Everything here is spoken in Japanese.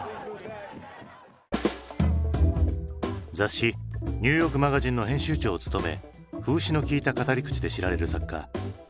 雑誌「ニューヨークマガジン」の編集長を務め風刺のきいた語り口で知られる作家カート・アンダーセン。